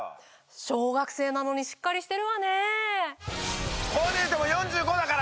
小学生なのにしっかりしてるわね。